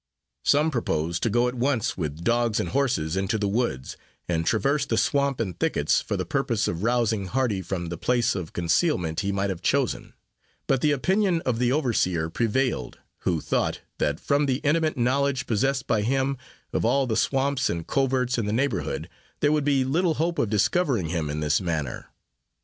Some proposed to go at once, with dogs and horses, into the woods, and traverse the swamp and thickets, for the purpose of rousing Hardy from the place of concealment he might have chosen; but the opinion of the overseer prevailed, who thought, that from the intimate knowledge possessed by him, of all the swamps and coverts in the neighborhood, there would be little hope of discovering him in this manner.